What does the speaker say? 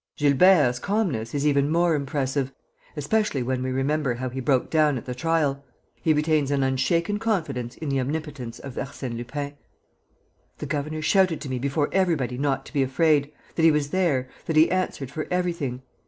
"Gilbert's calmness is even more impressive, especially when we remember how he broke down at the trial. He retains an unshaken confidence in the omnipotence of Arsène Lupin: "'The governor shouted to me before everybody not to be afraid, that he was there, that he answered for everything.